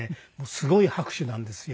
すごい拍手なんですよ。